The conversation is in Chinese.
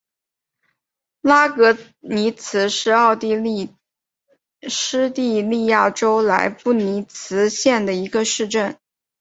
拉格尼茨是奥地利施蒂利亚州莱布尼茨县的一个市镇。